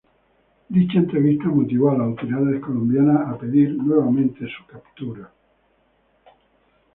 Dicha entrevista motivó a las autoridades colombianas a pedir nuevamente su captura.